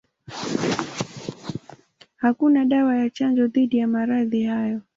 Hakuna dawa ya chanjo dhidi ya maradhi hayo.